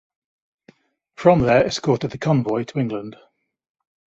From there escorted the convoy to England.